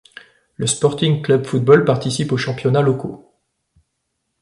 Le Sporting Club Football participe aux championnats locaux.